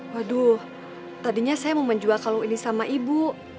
waduh tadinya saya mau menjual kalau ini sama ibu